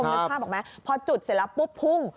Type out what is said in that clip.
นึกภาพออกไหมพอจุดเสร็จแล้วปุ๊บพุ่ง